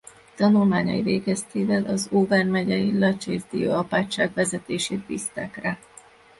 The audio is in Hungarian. Tanulmányai végeztével az Auvergne megyei La Chaise-Dieu apátság vezetését bízták rá.